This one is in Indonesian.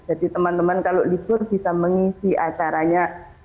jadi teman teman kalau libur bisa mengisi acaranya